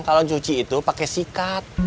kalau cuci itu pakai sikat